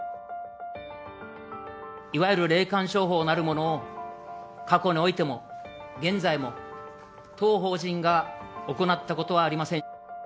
いわゆる霊感商法なるものを、過去においても現在も、当法人が行ったことはありません。